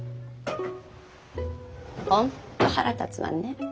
本当腹立つわね。